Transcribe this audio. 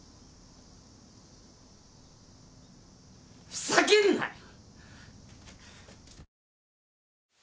ふざけんなよっ！